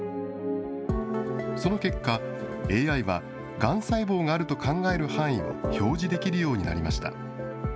その結果、ＡＩはがん細胞があると考える範囲を表示できるようになりました。